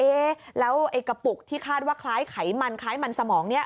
เอ๊ะแล้วไอ้กระปุกที่คาดว่าคล้ายไขมันคล้ายมันสมองนี้